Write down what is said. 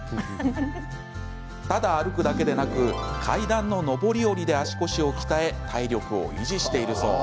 ただ歩くだけではなく階段の上り下りで足腰を鍛え体力を維持しているそう。